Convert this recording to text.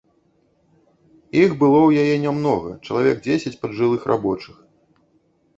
Іх было ў яе нямнога, чалавек дзесяць паджылых рабочых.